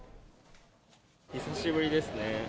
久しぶりですね。